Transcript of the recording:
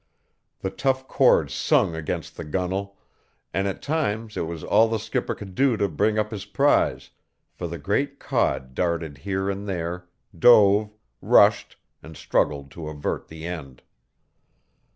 The tough cord sung against the gunnel, and at times it was all the skipper could do to bring up his prize, for the great cod darted here and there, dove, rushed, and struggled to avert the end.